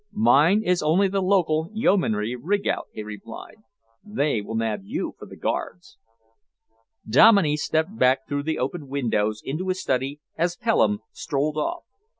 "Mine is only the local Yeomanry rig out," he replied. "They will nab you for the Guards!" Dominey stepped back through the open windows into his study as Pelham strolled off.